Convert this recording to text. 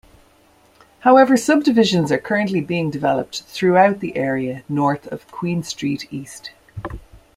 However, subdivisions are currently being developed throughout the area north of Queen Street East.